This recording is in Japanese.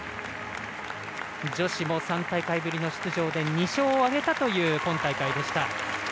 女子も３大会ぶりの出場で２勝を挙げたという今大会でした。